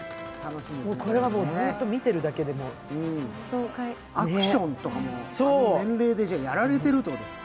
ホントねこれはずっと見てるだけでも爽快アクションとかもあの年齢でじゃあやられてるってことですか？